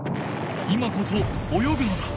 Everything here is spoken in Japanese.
今こそ泳ぐのだ。